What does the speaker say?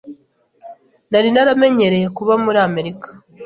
Nari naramenyereye kuba muri Amerika.